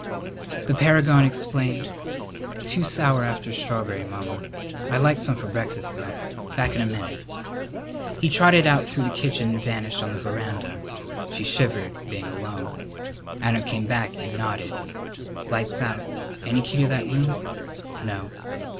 The paragon explained: "Too sour after strawb'ry, Mamma. I'd like some for breakfast, though. Back in a minute." He trotted out through the kitchen and vanished on the veranda. She shivered, being alone. Adam came back and nodded: "Light's out. Any key to that room?" "No."